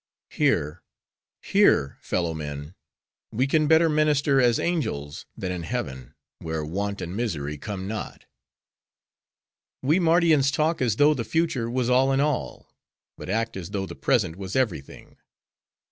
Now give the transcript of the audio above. Here, here, fellow men, we can better minister as angels, than in heaven, where want and misery come not. "'We Mardians talk as though the future was all in all; but act as though the present was every thing.